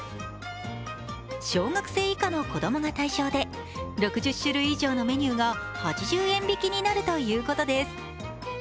小学生以下の子供が対象で６０種類以上のメニューが８０円引きになるということです。